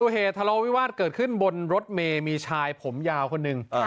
สู่เหตุธรววิวาสเกิดขึ้นบนรถเมมีชายผมยาวคนหนึ่ง